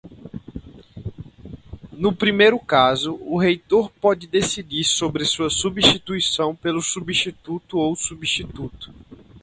No primeiro caso, o reitor pode decidir sobre sua substituição pelo substituto ou substituto.